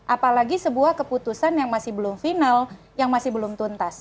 apalagi sebuah keputusan yang masih belum final yang masih belum tuntas